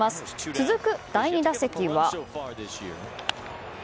続く第２打席は。